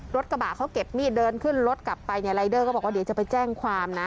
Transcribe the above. รถกระบะเขาเก็บมีดเดินขึ้นรถกลับไปเนี่ยรายเดอร์ก็บอกว่าเดี๋ยวจะไปแจ้งความนะ